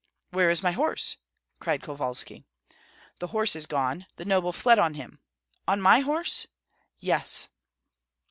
"Where is my horse?" cried Kovalski. "The horse is gone. The noble fled on him." "On my horse?" "Yes."